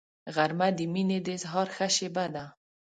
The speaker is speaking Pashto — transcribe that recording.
غرمه د مینې د اظهار ښه شیبه ده